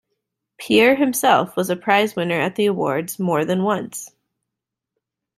Pierre himself was a prize winner at the awards more than once.